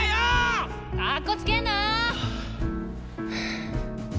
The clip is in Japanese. かっこつけんな！